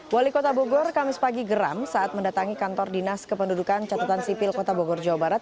wali kota bogor kamis pagi geram saat mendatangi kantor dinas kependudukan catatan sipil kota bogor jawa barat